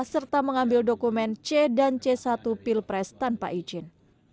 serta mengambil dokumen c dan c satu pilpres tanpa izin